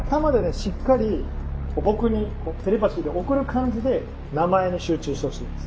しっかり僕にテレパシーで送る感じで名前に集中してほしいです。